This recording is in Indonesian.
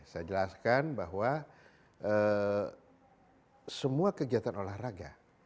saya jelaskan bahwa semua kegiatan olahraga